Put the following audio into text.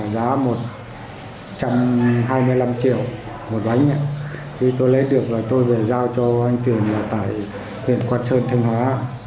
khi tôi lấy được rồi tôi về giao cho anh tuyền tại huyện quang sơn thanh hóa